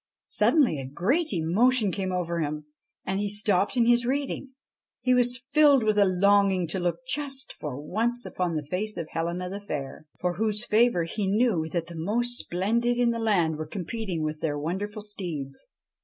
Suddenly a great emotion came over him, and he stopped in his reading. He was filled with a longing to look just for once upon the face of Helena the Fair, for 67 IVAN AND THE CHESTNUT HORSE whose favour he knew that the most splendid in the land were competing with their wonderful steeds.